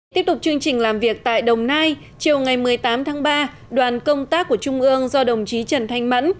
tiếp tục chương trình làm việc tại đồng nai chiều ngày một mươi tám tháng ba đoàn công tác của trung ương do đồng chí trần thanh mẫn